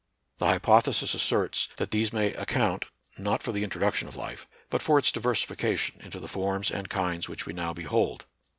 The hypothesis asserts that these may account, not for the introduction of life, but for its di versification into the forms and kinds which we now behold.